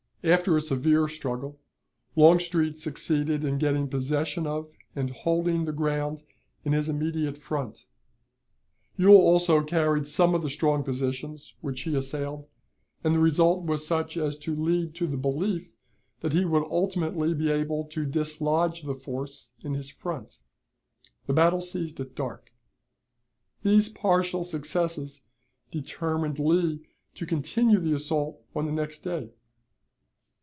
After a severe struggle Longstreet succeeded in getting possession of and holding the ground in his immediate front. Ewell also carried some of the strong positions which he assailed, and the result was such as to lead to the belief that he would ultimately be able to dislodge the force in his front. The battle ceased at dark. These partial successes determined Lee to continue the assault on the next day.